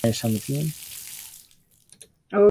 Earst meitsje wy in prachtige deitocht.